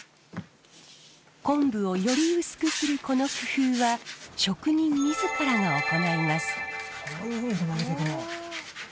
昆布をより薄くするこの工夫は職人自らが行います。